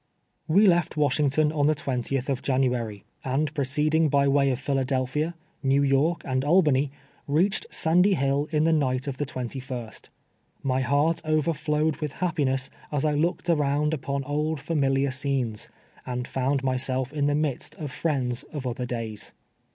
"We left Washington on the 20th of January, and proceeding by the vs'ay of Philadelphia, Xew York, and Albany, reached Sandy Hill in the night of the 21st. My heart overflowed with happiness as I look ed around upon old familiar scenes, and found myself in the midst of friends of other days.